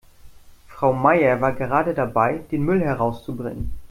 Frau Meier war gerade dabei, den Müll herauszubringen.